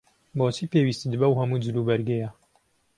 بۆچی پێویستت بەو هەموو جلوبەرگەیە؟